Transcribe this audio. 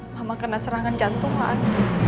mama kena serangan jantung lahan